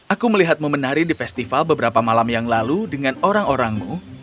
aku melihatmu menari di festival beberapa malam yang lalu dengan orang orangmu